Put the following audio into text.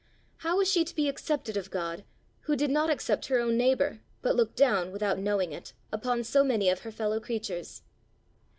How was she to be accepted of God, who did not accept her own neighbour, but looked down, without knowing it, upon so many of her fellow creatures?